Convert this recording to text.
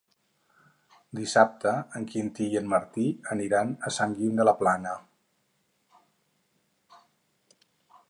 Dissabte en Quintí i en Martí aniran a Sant Guim de la Plana.